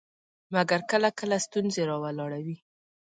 مګر کله کله ستونزې راولاړوي.